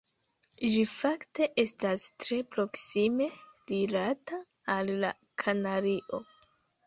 Ĝi fakte estas tre proksime rilata al la Kanario.